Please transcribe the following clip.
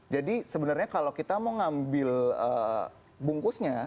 jadi sebenarnya kalau kita mau ngambil bungkusnya